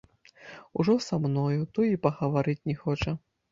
Ужо са мною, то і пагаварыць не хоча.